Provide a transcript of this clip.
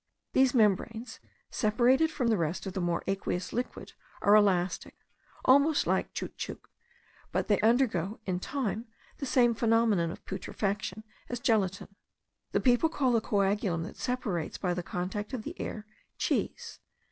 These membranes, separated from the rest of the more aqueous liquid, are elastic, almost like caoutchouc; but they undergo, in time, the same phenomena of putrefaction as gelatine. The people call the coagulum that separates by the contact of the air, cheese.